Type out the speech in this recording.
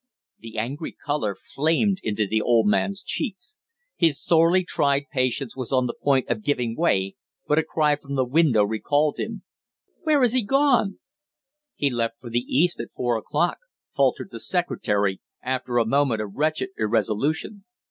The angry color flamed into the old man's cheeks. His sorely tried patience was on the point of giving way, but a cry from the window recalled him. "Where has he gone?" "He left for the East at four o'clock," faltered the secretary, after a moment of wretched irresolution.